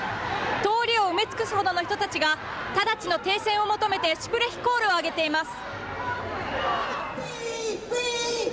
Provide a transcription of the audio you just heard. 通りを埋め尽くすほどの人たちが、ただちの停戦を求めてシュプレヒコールを上げています。